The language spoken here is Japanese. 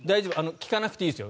聞かなくていいですよ。